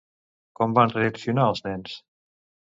Com van reaccionar els nens?